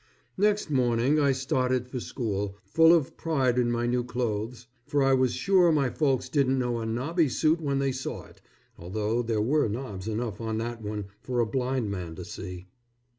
Next morning, I started for school, full of pride in my new clothes for I was sure my folks didn't know a nobby suit when they saw it, although there were knobs enough on that one for a blind man to see.